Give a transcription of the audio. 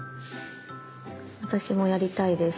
私もやりたいです。